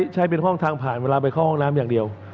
ใช้เป็นห้องทางผ่านเวลาไปเข้าห้องน้ำอย่างเดียว